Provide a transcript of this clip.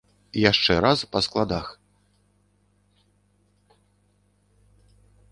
Яшчэ раз па складах.